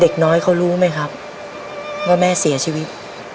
เด็กน้อยเขารู้ไหมครับว่าแม่เสียชีวิต